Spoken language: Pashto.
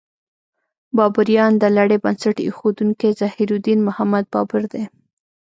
بابریان: د لړۍ بنسټ ایښودونکی ظهیرالدین محمد بابر دی.